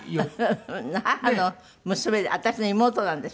母の娘で私の妹なんですけど。